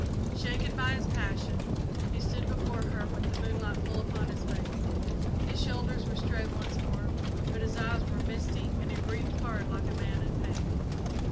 Shaken by his passion, he stood before her with the moonlight full upon his face. His shoulders were straight once more, but his eyes were misty and he breathed hard, like a man in pain.